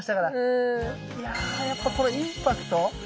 いややっぱこのインパクト。